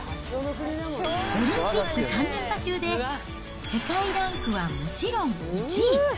オリンピック３連覇中で、世界ランクはもちろん１位。